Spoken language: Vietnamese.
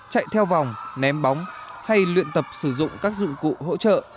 chạy theo vòng ném bóng hay luyện tập sử dụng các dụng cụ hỗ trợ